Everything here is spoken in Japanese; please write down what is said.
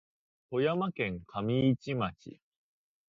富山県上市町